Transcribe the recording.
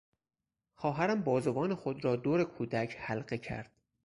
خواهرم بازوان خود را دور کودک حلقه کرد.